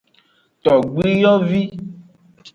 Togbiyovi.